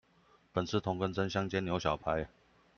本是同根生，香煎牛小排